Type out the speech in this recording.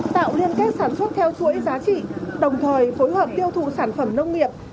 tạo liên kết sản xuất theo chuỗi giá trị đồng thời phối hợp tiêu thụ sản phẩm nông nghiệp